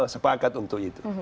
sepakat untuk itu